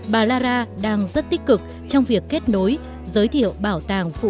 bà lara đang rất tích cực trong việc kết nối giới thiệu bảo tàng phụ nữ việt nam